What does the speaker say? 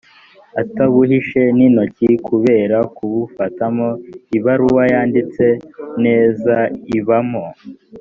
atabuhishe n intoki kubera kubufatamo ibaruwa yanditse neza ibamo